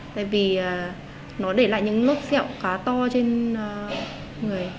tại vì nó để lại những nốt xeo khá to trên người